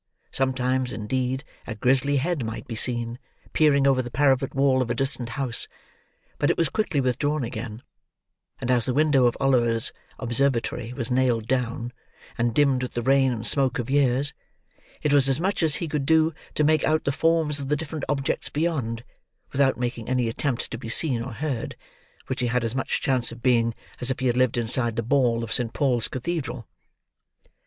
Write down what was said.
Sometimes, indeed, a grizzly head might be seen, peering over the parapet wall of a distant house; but it was quickly withdrawn again; and as the window of Oliver's observatory was nailed down, and dimmed with the rain and smoke of years, it was as much as he could do to make out the forms of the different objects beyond, without making any attempt to be seen or heard,—which he had as much chance of being, as if he had lived inside the ball of St. Paul's Cathedral.